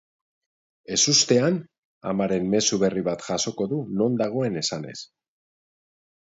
Ezustean, amaren mezu berri bat jasoko du non dagoen esanez.